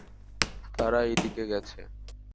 তারা এই দিকে গেছে।